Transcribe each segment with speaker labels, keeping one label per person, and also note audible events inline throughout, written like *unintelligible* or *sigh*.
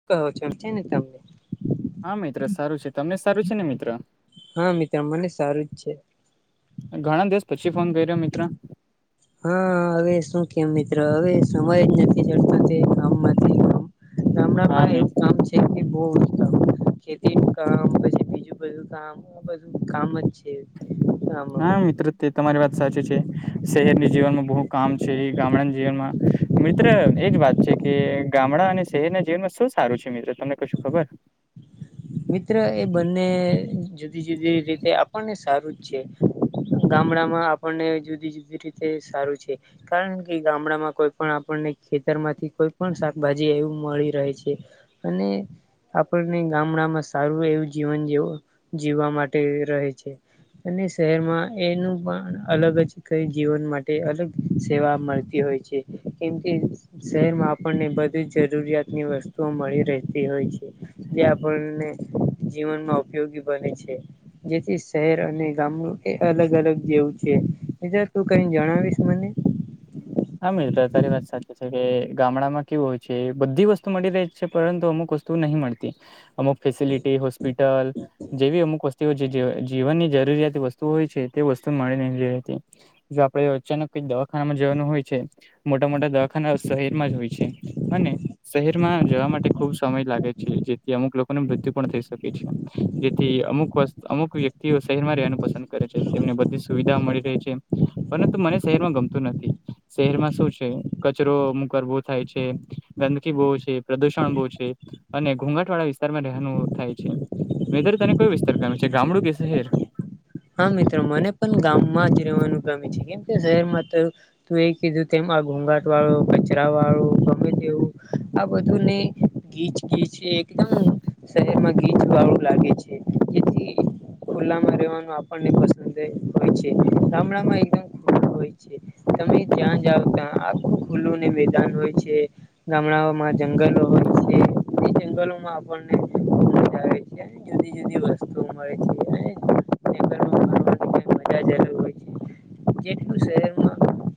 Speaker 1: *unintelligible*
Speaker 2: હા મિત્ર, સારું છે. તમને સારું છે ને મિત્ર?
Speaker 1: હા મિત્ર, મને સારું જ છે.
Speaker 2: ઘણા દિવસ પછી ફોન કર્યો મિત્ર.
Speaker 1: હા હવે શું કેવ મિત્ર, હવે સમય જ નથી જડતો તે ગામ માંથી
Speaker 2: હા
Speaker 1: ગામડામાં
Speaker 2: મિત
Speaker 1: એવું કામ છે *unintelligible* બો ખેતીનું કામ, પછી બીજું બધું કામ, આ બધું કામ જ છે. ગામમાં
Speaker 2: હા મિત્ર, તે તમારી વાત સાચી છે. શહેરની જીવનમાં બહુ કામ છે, એ ગામડા જીવનમાં મિત્ર એજ વાત છે કે ગામડા અને શહેરના જીવનમાં શું સારું છે મિત્ર, તમને કશું ખબર?
Speaker 1: મિત્ર એ બંને જુદી જુદી રીતે આપણને સારું જ છે. ગામડામાં આપણને જુદી જુદી રીતે સારું છે. કારણકે ગામડામાં કોઈ પણ આપણને ખેતર માંથી, કોઈ પણ શાકભાજી એવું મળી રહે છે. અને આપણને ગામડામાં સારું એવું જીવન જીવ જીવવા માટે રહે છે. અને શહેરમાં એનું પણ અલગજ કઈ જીવન માટે અલગ સેવા મળતી હોય છે. કેમકે શહેરમાં આપણને બધી જરૂરિયાત ની વસ્તુઓ મળી રહેતી હોય છે. જે આપણને જીવનમાં ઉપયોગી બને છે. જેથી શહેર અને ગામનું કે અલગ અલગ જેવું છે. બીજા તું કઈ જણાવીશ મને?
Speaker 2: હા મિત્ર, તારી વાત સાચી છે કે ગામડામાં કેવું હોય છે, બધી વસ્તુ મળી રહી છે પરંતુ અમુક વસ્તુ નહી મળતી. અમુક ફેસિલિટી હોસ્પિટલ જેવી અમુક વસતું તેઓ જે જીવનની જરૂરિયાતી વસ્તુ હોય છે તે વસ્તુ મળી નહીં રહેતી. જો આપડે અચાનક કોઈ દવાખાનામાં જવાનું હોય છે, મોટા મોટા દવાખાના શહેર માં જ હોય છે. અને શહેરમાં જવા માટે ખુબ સમય લાગે છે, જેથી અમુક લોકોને મૃત્યુ પણ થઈ શકે છે. જેથી અમુક વસ અમુક વ્યક્તિઓ શહેરમાં રહેવાનું પસંદ કરે છે. તેમને બધી સુવિધાઓ મળી રેહ છે. પરંતુ મને શહેરમાં ગમતું નથી. શહેરમાં શું છે, કચરો અમુક વાર બો થાય છે. ગંદકી બહુ છે, પ્રદુષણ બહુ છે અને ઘોઘાટ વાળા વિસ્તારમાં રહેનું થાય છે. *unintelligible* તને કયું વિસ્તાર ગમે છે, ગામડું કે શહેર?
Speaker 1: હા મિત્ર, મને પણ ગામમાં જ રહેવાનું ગમે છે, કેમ કે શહેરમાં તો તું એ કીધું તેમ, આ ઘોઘાટ વાળું, કચરા વાળું, ગમે તેવું આ બધુંને ગીચ ગીચ એકદમ શરીરમાં ગીચ વાળું લાગે છે, જેથી ખુલ્લામાં રહેવાનું આપણે પસંદ રે હોય છે. ગામડામાં એકદમ ખુલ્લુ હોય છે. તમે ત્યાં જઓ ત્યાં આખ ખુલ્લું ને મેદાન હોય છે. ગામડાઓમાં જંગલો હોય છે, એ જંગલોમાં આપણને *inaudible* આવે છે, જુદી જુદી વસ્તુઓ મળે છે, *inaudible* હો શ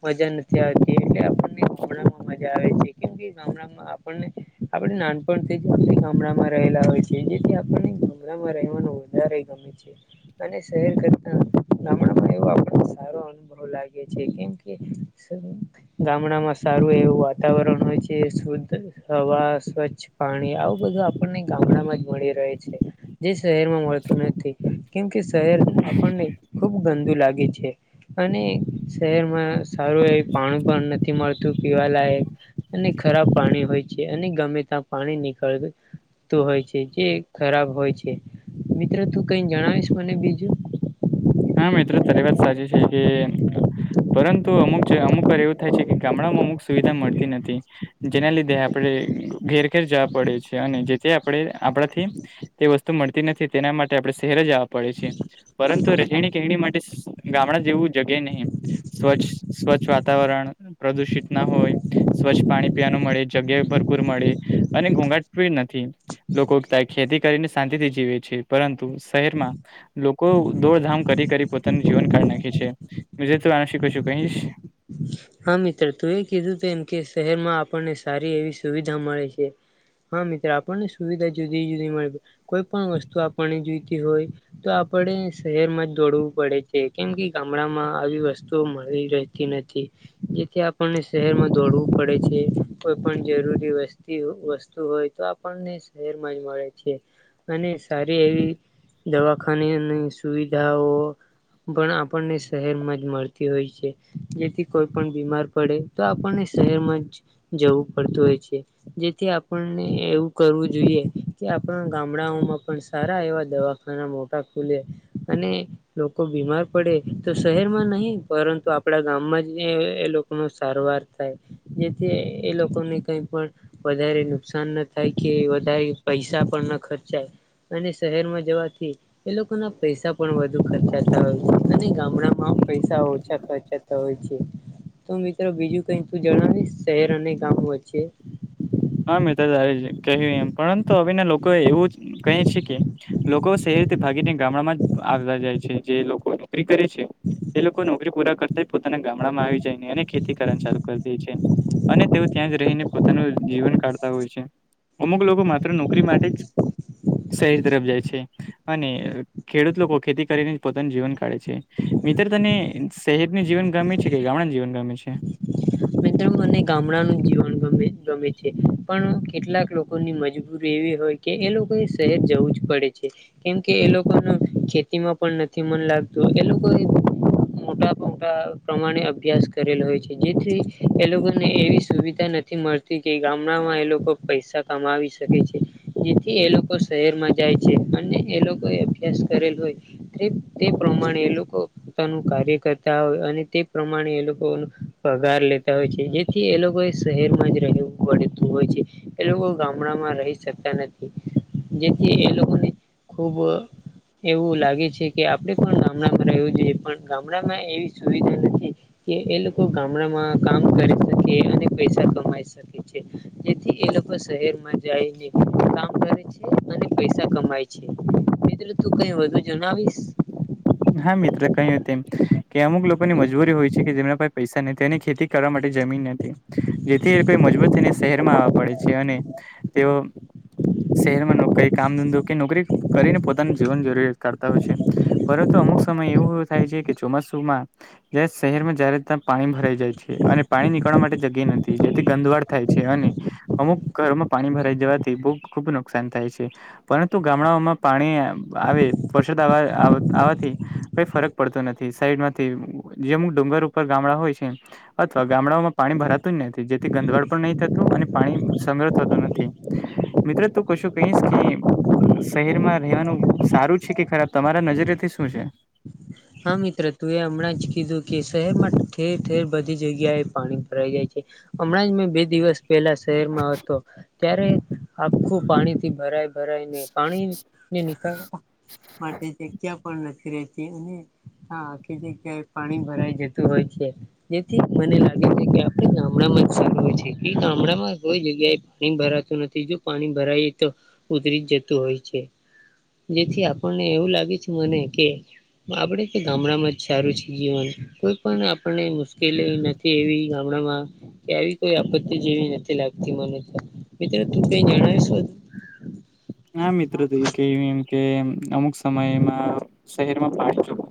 Speaker 1: *inaudible* મજા નથી આવેતી આપણે ગામડામાં મજા આવે છે, કેમ કે, ગામડા નાનપણથી ગામડામાં રહેલા હોય છે, જેથી આપણે ગામડામાં રહેવાનું વધારે ગમે છે. અને શહેર કરતા ગામડામાં એવો આપણો સારો. હવે લાગે છે, કેમ કે. ગામડામાં સારું એવું વાતાવરણ હોય છે, શુદ્ધ હવા સ્વચ્છ. પાણી આવું બધું આપણને ગામડામાં જ મળી રહે છે, જે શહેરમાં મળતું નથી. કેમ કે શહેર.
Speaker 2: હા *inaudible*
Speaker 1: અને ખુબ ગંદુ લાગે છે. અને શહેરમાં સારું એ પાણી પણ નથી મળતું પીવાલાયક, અને ખરાબ પાણી હોય છે, અને ગમે ત્યાં પાણી નીકળ તું હોય છે, જે ખરાબ હોય છે, મિત્રો તું કઈ જણાવીશ મને બીજું!
Speaker 2: હા, મિત્રો તારી વાત સાચી છે, કે પરંતુ અમુક જે અમુકવાર એવું. થાય છે, કે ગામડામાં અમુક સુવિધા મળતી નથી‌. જેના લીધે આપણે ઘેર ઘેર જવા પડે છે, અને જેથી આપણે આપણાથી. તે વસ્તુ મળતી નથી, તેના માટે આપણે શહેરે જવા પડે છે‌. પરંતુ રહેણી કે માટે ગામડા જેવું જગ્યા નહીં. સ્વચ્છ સ્વચ્છ વાતાવરણ પ્રદુષિતના હોય. સ્વચ્છ પાણી પીવાનું મળે, જગ્યા ભરપૂર મળે અને ઘોંઘાટી નથી. લોકોતા ખેતી કરીને શાંતિથી જીવે છે, પરંતુ શહેરમાં લો કો દોડધામ કરી કરી પોતાનું જીવન કાઢ નાખે છે, શીખું છું, કહીશ.
Speaker 1: હા, મિત્ર તું એ કીધું એમ કે શહેરમાં આપણને સારી એવી સુવિધા મળે છે. હા મિત્રો આપણને સુવિધા જુદી જુદી મળે, કોઈ પણ વસ્તુ આપણને જોઈતી હોય. તો આપણે શહેરમાં જ દોડવું પડે છે, કેમ કે, ગામડામાં આવી વસ્તુઓ મળી રહેતી નથી. જેથી આપણને શહેરમાં દોડવું પડે છે, કોઈપણ જરૂરી વસ્તી વસ્તુ હોયતો, આપને શહેરમાં જ મળે છે. અને સારી એવી દવાખાનીની સુવિધાઓ, પણ આપણને શહેરમાં જ મળતી હોય છે, જેથી કોઈપણ બીમાર પડે તો આપણને શહેરમાં જ જવું પડતું હોય છે. જેથી આપણને એવું કરવું જોઈએ, કે આપણા ગામડાઓમાં પણ સારા એવા દવા ખાના મોટા ખુલે અને લોકો બીમાર પડે તો શહેરમાં નહીં પરંતુ આપણા ગામમાં જ. એ લોકો ન સારવાર થાય જેથી એ લોકોને કઈ પણ, વધારે નુકસાન ના થાય કે વધારે પૈસા પણના ખર્ચાય. અને શહેરમાં જવાથી. એ લોકોના પૈસા પણ વધુ ખર્ચાતા હોય અને ગામડા માં પૈસા ઓછા ખર્ચાતા હોય. તો મિત્રો બીજું કંઈક તું જણાવીશ શહેર અને ગામ વચ્ચે!
Speaker 2: હા મિત્રો તારી કહ્યું એમ પરંતુ આવીને લોકો એ એવું જ કહી શકીએ છે, કે લોકો શહેરથી ભાગીને ગામડામાં જ આવતા જાય છે, જે લોકો નોકરી કરે છે.
Speaker 1: હું *inaudible*
Speaker 2: એ લોકો નોકરી પૂરા કરતા પોતાના ગામડામાં આવી જાયને અને ખેતી કારવાનુ ચાલુ કરીદે છે. અને તેઓ ત્યાં જ રહીને પોતાનું જ. જીવન કાઢતા હોય છે, અમુક લોકો માત્ર નોકરી માટે જ. શહેર તરફ જાય છે, અને ખેડૂત લોકો ખેતી કરીને જ પોતાનું જીવન કાઢે છે. મિત્ર તને શહેરની જીવન ગમે છે, કે ગામડા જીવન ગમે છે?
Speaker 1: મિત્ર ગામડાનું જીવન ગમે ગમે છે, પણ કેટલાક લોકોની મજબૂરી એવી હોય કે એ લોકો એ શહેર જવું જ પડે છે. કેમ કે એ લોકો ન ખેતીમાં પણ નથી મન લાગતું એ લોકો મોટા મોટા પ્રમાણે અભ્યાસ કરેલો હોય છે જેથી એ લોકો ને એવી સુવિધા નથી મળતી કે ગામડામાં એ લોકો પૈસા કમાવી શકે છે. જેથી એ લોકો શહેરમાં જાય છે અને એ લોકો એ અભ્યાસ કરેલ હોય તે પ્રમાણે એ લોકો પોતાનું કાર્ય કરતા હોય અને તે પ્રમાણે એ લોકો પગાર લેતા હોય છે જેથી એ લોકો એ શહેરમાં જ રહેવું પડતું હોય છે. એ લોકો ગામડામાં રહી શકતા નથી જેથી એ લોકોને ખૂબ એવું લાગે છે કે આપડે પણ ગામડા રેહવું જોઈએ પણ ગામડામાં એવી સુવિધા નથી કે એ લોકો ગામડામાં કામ કરી શકે અને પૈસા કમાઈ શકે છે. જેથી એ લોકો શહેરમાં જાયને કામ કરે છે અને પૈસા કમાય છે. મિત્ર તું કઈ વધુ જણાવીશ
Speaker 2: હા મિત્ર કહ્યું તેમ કે અમુક લોકોની મજબૂરી હોય છે કે જેમના પાસે પૈસા નથી એની ખેતી કરવા માટે જમીન નથી જેથી એ લોકો એ મજબૂત થઈને શહેરમાં આવવા પડે છે અને તેઓ શહેરમાં નોકરી કામ ધંધો કે નોકરી કરીને પોતાનું જીવન જરૂરિયાત કાઢતા હોય છે. પરંતુ અમુક સમય એવું થાય છે કે ચોમાસુમાં જે શહેરમાં જ્યારે ત્યાં પાણી ભરાઈ જાય છે અને પાણી નીકળવા માટે જગ્યા નથી જેથી ગંદવાડ થાય છે અને અમુક ઘરોમાં પાણી ભરાઈ જવાથી બહુ ખુબ નુકસાન થાય છે. પરંતુ ગામડાઓમાં પાણી આવે *unintelligible* આવવાથી કઈ ફરક પડતો નથી સાઈડ માંથી જે અમુક ડુંગર ઉપર ગામડા હોય છે અથવા ગામડાઓમાં પાણી ભરાતું જ નથી જેથી ગંધવાડ પણ નહી થતું અને પાણી સંગ્રહ થતું નથી. મિત્રો તું કશું કહીશ કે શહેરમાં રહેવાનું સારું છે કે ખરાબ તમારા નજરેથી શું છે
Speaker 1: હા મિત્ર તું એ હમણાં જ કીધું કે શહેરમાં ઠેર ઠેર બધી જગ્યાએ પાણી ભરાઈ જાય છે. હમણાં જ મેં બે દિવસ પહેલા શહેરમાં હતો ત્યારે આખું પાણીથી ભરાય ભરાઈને પાણીને નીકળવા માટે જગ્યા પણ નથી રેતી અને હા આખી જગ્યા પાણી ભરાઈ જતું હોય છે જેથી મને લાગે છે કે આપડે ગામ ડામાં જ સારું હોય છે ગામડામાં કોઈ જગ્યાએ પાણી ભરાતું નથી જો પાણી ભરાય તો ઉદરી જતુ હોય છે. જેથી આપણને એવું લાગે છે મને કે આપડે એ ગામડામાં જ સારું છે જીવન કોઈ પણ આપણને મુશ્કેલી નથી એવી ગામડામાં કે આવી કોઈ આપત્તિ જેવી નથી લાગતી મને તો મિત્રો તું કઈ જણાવીશું
Speaker 2: હા મિત્ર તુંએ ક્યું એમ કે અમુક સમયમાં શહેરમાં *unintelligible*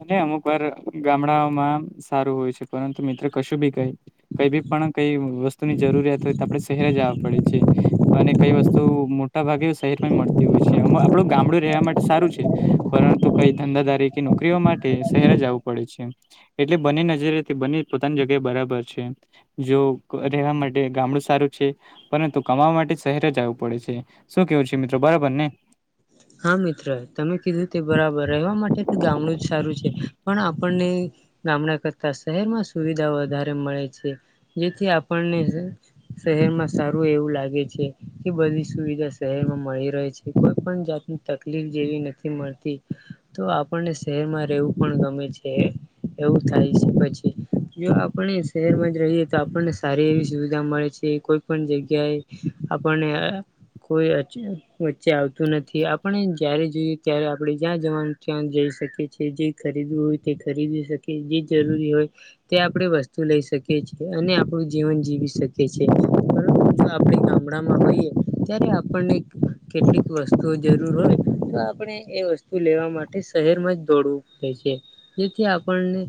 Speaker 2: એટલે અમુક વાર ગામડાઓમાં સારું હોય છે પરંતુ મિત્ર કશું બી કહી કઈ બી પણ કઈ વસ્તુની જરૂરિયાત હોય તો આપણે શહેરે જવા પડે છે અને કઈ વસ્તુ મોટા ભાગે શહેર માં જ મળતી હોય છે આપણું ગામડું રહેવા માટે સારું છે. પરંતુ કઈ ધંધાધારી કે નોકરીઓ માટે શહેર જ આવવું પડે છે. એટલે બંને નજરે બને પોતાની જગ્યાએ બરાબર છે. જો રહેવા માટે ગામડું સારું છે. પરંતુ કમાવા માટે શહેરે જ આવવું પડે છે શું કેવું છે મિત્રો બરાબર ને
Speaker 1: હા મિત્ર તમે કીધું તે બરાબર રહેવા માટે તો ગામડું જ સારું છે પણ આપણને ગામડા કરતા શહેરમાં સુવિધા વધારે મળે છે જેથી આપણને શહેર માં સારું એવું લાગે છે. કે બધી સુવિધા શહેર માં મળી રહે છે કોઈ પણ જાતની તકલીફ જેવી નથી મળતી તો આપણને શહેરમાં રહેવું પણ ગમે છે. એવું થાય છે પછી જો આપણે શહેરમાં જ રહીએ તો આપણને સારી એવી સુવિધા મળે છે કોઈ પણ જગ્યાએ આપણને કોઈ વચ્ચે આવતું નથી. જય્યારે જોઈએ ત્યારે આપણે જ્યાં જવાનું ત્યાં જઈ શકીએ છીએ જે ખરીદવું હોય તે ખરીદી શકીએ છે જે જરૂરી હોય તે આપણે વસ્તુ લઈ શકીએ છીએ અને આપણું જીવન જીવી શકીએ છીએ. પરંતુ જો આપણે ગામ મડામાં હોઈએ ત્યારે આપણને કેટલીક વસ્તુઓ જરૂર હોય તો આપણે એ વસ્તુ લેવા માટે શહેરમાં જ દોડવું પડે છે. જેથી આપણને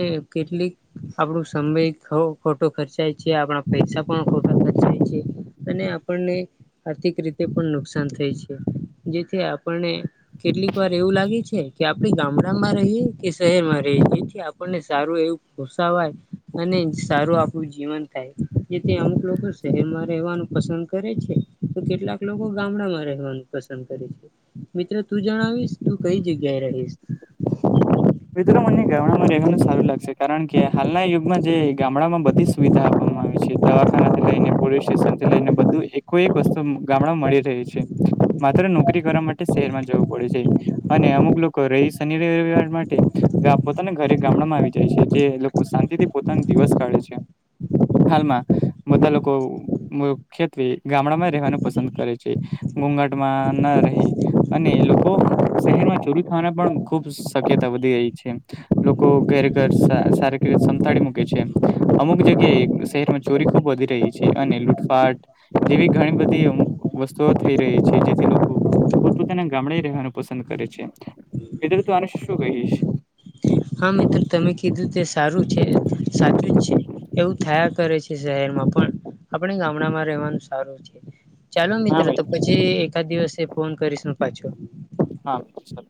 Speaker 1: એ કેટલીક આપડો સમય ખો ખોટો ખર્ચાય છે. આપણા પૈસા પણ ખોટા ખર્ચા ચાય છે. અને આપણને આર્થિક રીતે પણ નુકસાન થય છે. જેથી આપણને કેટલીક વાર એવું લાગે છે કે આપણે ગામડામાં રહીએ કે શહેરમાં રહીએ જેથી આપણને સારું એવું ઘુસાવાય અને સારું આપણું જીવન થાય. જેથી અમુક લોકો શહેરમાં રહેવાનું પસંદ કરે છે, તો કેટલાક લોકો ગામડામાં રહેવાનું પસં સંદ કરે છે. મિત્ર તું જણાવીશ તું કઈ જગ્યાએ રહીશ?
Speaker 2: મિત્ર મને ગામડામાં રહેવાનું સારું લાગશે. કારણ કે હાલના યુગમાં જે ગામડામાં બધી જ સુવિધા આપવામાં આવે છે. દવાખાનાથી લઈને, પોલીસ સ્ટેશનથી લઈને, બધું એકોએક વસ્તુ ગામડામાં મળી રહી છે. માત્ર નોકરી કરવા માટે શહેરમાં જવું પડે છે. અને અમુક લોકો રહી શનિ રવિવાર માટ ટે ગા પોતાના ઘરે ગામડામાં આવી જાય છે. જે લોકો શાંતિથી પોતાનો દિવસ કાઢે છે. હાલમાં બધા લોકો મુખ્યત્વે ગામડામાં રહેવાનું પસંદ કરે છે. ઘોઘાટમાં ન રહે. અને એ લોકો શહેરમાં ચોરી થાવાના પણ ખુબ શક્ય તા વધી રહી છે. લોકો ઘરે ઘર સા સારી રીતે સમતાળી મૂકે છે. અમુક જગ્યાએ શહેરમાં ચોરી ખૂબ વધી રહી છે. અને લૂટફાટ જેવી ઘણી બધી અમુક વસ્તુઓ થઈ રહી છે. જેથી લોકો પોતપોતાના ગામડે રહેવાનું પસંદ કરે છે. મિત્ર તું આનું શું કહીશ?
Speaker 1: હા મિત્ર તમે કીધું તે સારું છે, સાચું જ છે. એવું થયા કરે છે શહેરમાં પણ, આપણે ગામડામાં રહેવાનું સારું છે. ચાલો
Speaker 2: હા
Speaker 1: મિત્ર તો
Speaker 2: ભાઈ
Speaker 1: પછી એકાદ દિવસે ફોન કરીશ હું પાછો.
Speaker 2: હા મિત્ર ચલો.